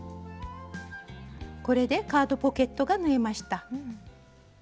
これでカードポケットが縫えました。